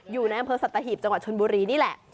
อยู่แนวชุมชนบุรีสตหาจังหวัดชนบุรีนี่แหละ